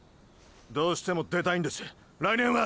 どうしても出たいんです来年は！！